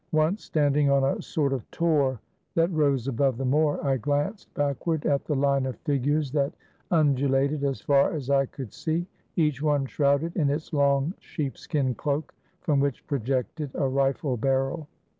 Once, standing on a sort of tor that rose above the moor, I glanced backward at the line of figures that undulated as far as I could see, each one shrouded in its long sheepskin cloak, from which projected a rifle barrel.